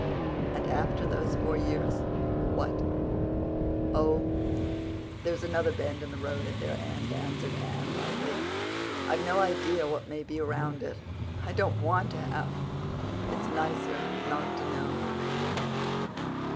"And after those four years—what?" "Oh, there's another bend in the road at their end," answered Anne lightly. "I've no idea what may be around it—I don't want to have. It's nicer not to know."